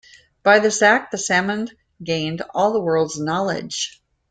By this act, the salmon gained all the world's knowledge.